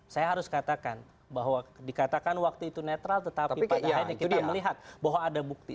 saya harus katakan bahwa dikatakan waktu itu netral tetapi pada akhirnya kita melihat bahwa ada bukti